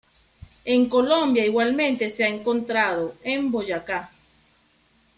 En Colombia igualmente se ha encontrado, en Boyacá.